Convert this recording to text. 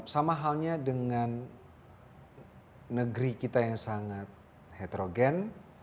sama halnya dengan negeri kita yang sangat heterogen